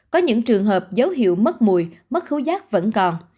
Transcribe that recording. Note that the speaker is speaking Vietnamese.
có những trường hợp dấu hiệu mất mùi mất thú giác vẫn còn